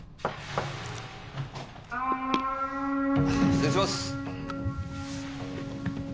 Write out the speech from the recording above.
失礼します。